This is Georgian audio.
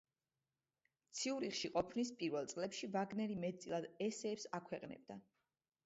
ციურიხში ყოფნის პირველ წლებში ვაგნერი მეტწილად ესეებს აქვეყნებდა.